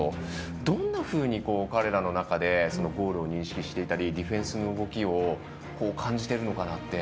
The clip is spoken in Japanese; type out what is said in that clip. どんなふうに彼らの中でゴールを認識していたりディフェンスの動きを感じているのかって。